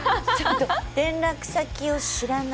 連絡先を知らない。